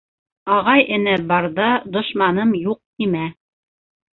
Ағай-энең барҙа, «дошманым юҡ» тимә